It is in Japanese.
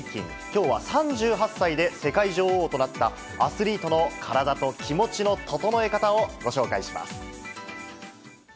きょうは３８歳で世界女王となった、アスリートのカラダとキモチの整え方をご紹介します。